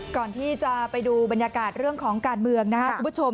ก่อนที่จะไปดูบรรยากาศเรื่องของการเมืองนะครับคุณผู้ชม